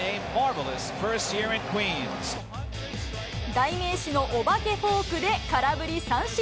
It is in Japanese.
代名詞のお化けフォークで、空振り三振。